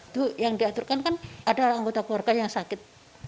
itu yang diaturkan kan ada anggota keluarga yang sakit